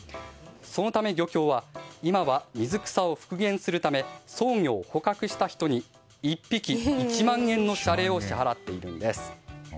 そのため、漁協は今は、水草を復元するためソウギョを捕獲した人に１匹１万円の謝礼を支払っているんです。